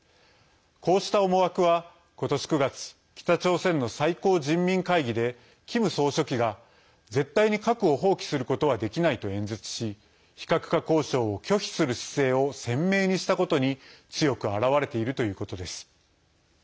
こうした思惑は、今年９月北朝鮮の最高人民会議でキム総書記が、絶対に核を放棄することはできないと演説し非核化交渉を拒否する姿勢を鮮明にしたことに強く表れているということです。